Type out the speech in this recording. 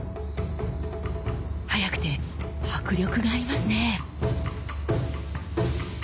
速くて迫力がありますね。